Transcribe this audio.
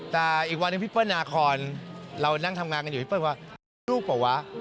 แต่อีกวันหนึ่งพี่เปิ้ลนาคอนเรานั่งทำงานกันอยู่พี่เปิ้ลว่าลูกเปล่าวะ